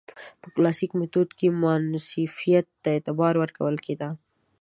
په کلاسیک میتود کې مانیفیست ته اعتبار ورکول کېده.